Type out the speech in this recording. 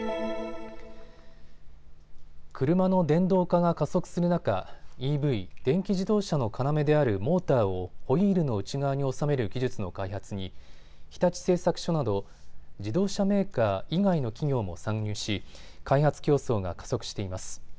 車の電動化が加速する中、ＥＶ・電気自動車の要であるモーターをホイールの内側に収める技術の開発に日立製作所など自動車メーカー以外の企業も参入し開発競争が加速しています。